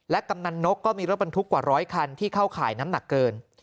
กำนันนกก็มีรถบรรทุกกว่าร้อยคันที่เข้าข่ายน้ำหนักเกิน